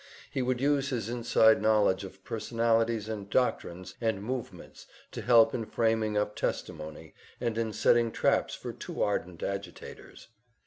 He would use his inside knowledge of personalities and doctrines and movements to help in framing up testimony, and in setting traps for too ardent agitators.